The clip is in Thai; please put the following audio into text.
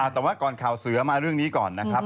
แต่ว่าก่อนข่าวเสือมาเรื่องนี้ก่อนนะครับ